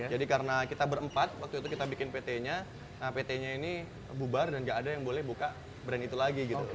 jadi karena kita berempat waktu itu kita bikin pt nya pt nya ini bubar dan gak ada yang boleh buka brand itu lagi gitu